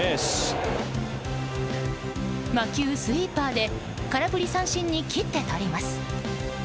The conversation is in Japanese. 魔球スイーパーで空振り三振に切ってとります。